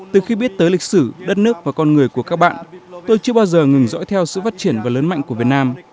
từ khi biết tới lịch sử đất nước và con người của các bạn tôi chưa bao giờ ngừng dõi theo sự phát triển và lớn mạnh của việt nam